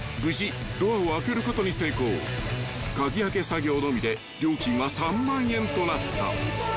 ［鍵開け作業のみで料金は３万円となった］